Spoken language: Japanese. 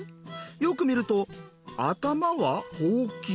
よく見ると頭はほうき。